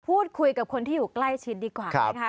พูดคุยกับคนที่อยู่ใกล้ชิดดีกว่านะคะ